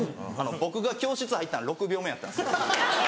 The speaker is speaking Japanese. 僕が教室入ったの６秒目やったんですよ。